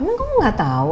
amin kamu gak tahu